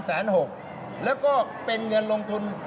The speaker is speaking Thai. แล้วก็เป็นเงินลงทุน